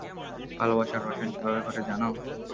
ভালোবাসার রসায়ন কীভাবে ঘটে জানো?